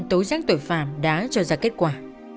tối giác tội phạm đã cho ra kết quả